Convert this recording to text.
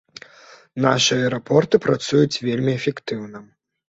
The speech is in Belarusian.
Нашы аэрапорты працуюць вельмі эфектыўна.